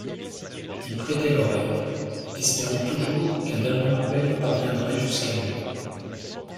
Il prêtait l’oreille, espérant toujours qu’un dernier appel parviendrait jusqu’à lui.